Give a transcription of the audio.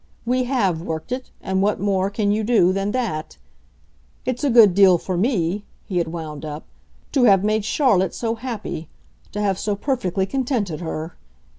We HAVE worked it, and what more can you do than that? It's a good deal for me," he had wound up, "to have made Charlotte so happy to have so perfectly contented her.